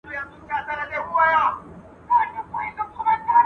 چوپ پاته كيږو نور زموږ